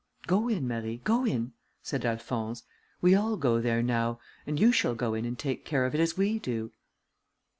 "Go in, Marie, go in," said Alphonse; "we all go there now, and you shall go in and take care of it as we do."